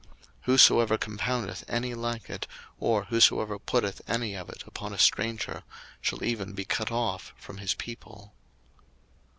02:030:033 Whosoever compoundeth any like it, or whosoever putteth any of it upon a stranger, shall even be cut off from his people.